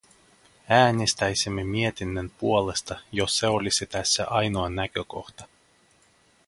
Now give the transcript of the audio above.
Äänestäisimme mietinnön puolesta, jos se olisi tässä ainoa näkökohta.